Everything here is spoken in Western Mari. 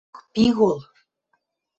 — Ох, пигол!